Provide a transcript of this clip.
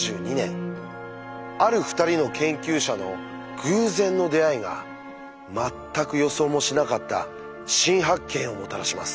ある２人の研究者の偶然の出会いが全く予想もしなかった新発見をもたらします。